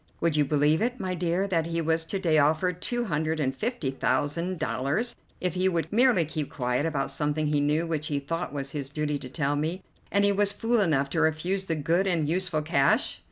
Would you believe it, my dear, that he was to day offered two hundred and fifty thousand dollars if he would merely keep quiet about something he knew which he thought was his duty to tell me, and he was fool enough to refuse the good and useful cash?"